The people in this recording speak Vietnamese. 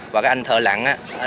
và cái anh thợ lặng á